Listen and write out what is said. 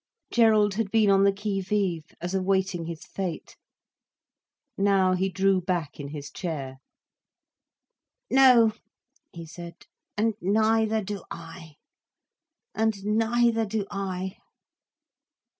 Gerald had been on the qui vive, as awaiting his fate. Now he drew back in his chair. "No," he said, "and neither do I, and neither do I."